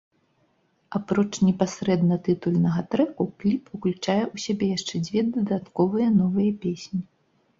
Апроч непасрэдна тытульнага трэку, кліп уключае ў сябе яшчэ дзве дадатковыя новыя песні.